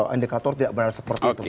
indikator tidak benar seperti itu